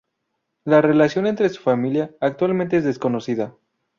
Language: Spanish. La relación entre su Familia actualmente es desconocida.